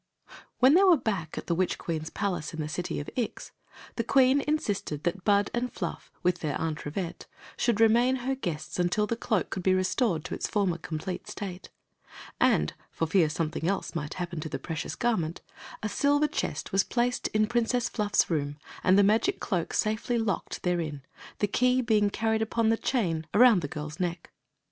When they were back at the witch queen's palace in the city of Ix, the queen insisted that Bud and Flufii with their Aunt Rivette, diould remain her guests until the cloak could be restored to its former complete state. And, for fear something else might happen to the precious garment, a silver chest was placed in Princess Fluff's room and the magic cloak safely locked therein, the key being carried upon the chain around the girl's neck.